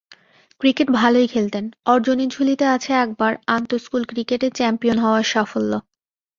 Cricket ভালোই খেলতেন, অর্জনের ঝুলিতে আছে একবার আন্তস্কুল ক্রিকেটে চ্যাম্পিয়ন হওয়ার সাফল্য।